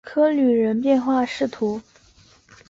科吕人口变化图示